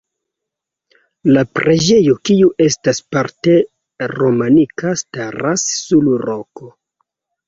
La preĝejo, kiu estas parte romanika, staras sur roko.